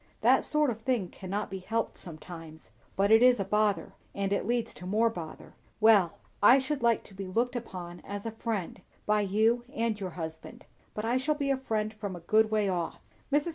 "That sort of thing cannot be helped sometimes, but it is a bother, and it leads to more bother. Well! I should like to be looked upon as a friend, by you and your husband; but I shall be a friend a good way off. Mrs.